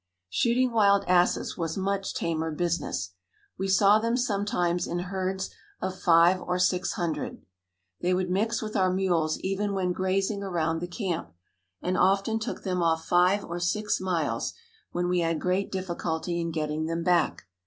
Shooting wild asses was much tamer business. We saw them sometimes in herds of five or six hundred. They would mix with our mules even when grazing around the camp, and often took them off five or six miles, when we had great difficulty in getting them back.